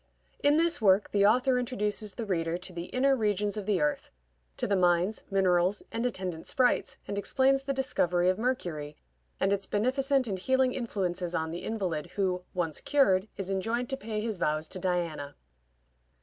In this work the author introduces the reader to the inner regions of the earth; to the mines, minerals, and attendant sprites, and explains the discovery of mercury, and its beneficent and healing influences on the invalid, who, once cured, is enjoined to pay his vows to Diana.